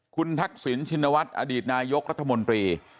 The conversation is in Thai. คุณทักษิณชินวัฒน์อดีตนายกรัฐมนตรี